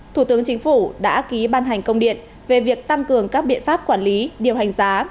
thủ tướng chính phủ đã ký ban hành công điện về việc tăng cường các biện pháp quản lý điều hành giá